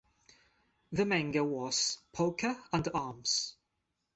The manga was "Poker Under Arms".